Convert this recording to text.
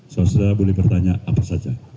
saudara saudara boleh bertanya apa saja